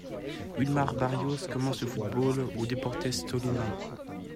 Wílmar Barrios commence le football au Deportes Tolima.